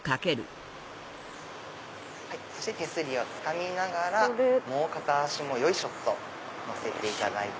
手すりをつかみながらもう片足もよいしょっと乗せていただいて。